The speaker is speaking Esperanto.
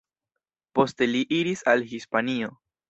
Poste li iris al Hispanio.